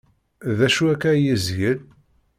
D acu akka ay yezgel?